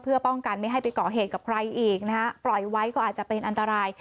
เพื่อป้องกันไม่ให้ไปก่อเหตุกับใครอีกนะฮะปล่อยไว้ก็อาจจะเป็นอันตราย